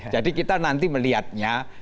jadi kita nanti melihatnya